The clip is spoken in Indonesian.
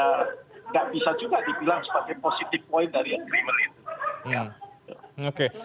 tidak bisa juga dibilang sebagai positive point dari agreement itu